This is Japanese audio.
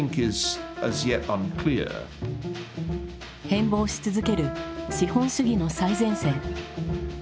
変貌し続ける資本主義の最前線。